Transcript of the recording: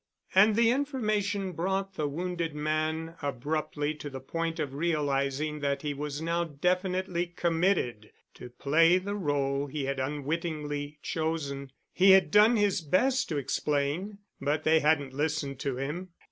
And the information brought the wounded man abruptly to the point of realizing that he was now definitely committed to play the role he had unwittingly chosen. He had done his best to explain, but they hadn't listened to him.